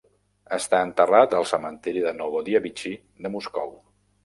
Està enterrat al cementiri de Novodevichy de Moscou.